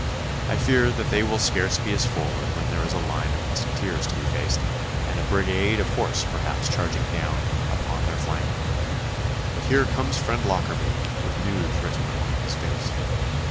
'I fear that they will scarce be as forward when there is a line of musqueteers to be faced, and a brigade of horse perhaps charging down upon their flank. But here comes friend Lockarby, with news written upon his face.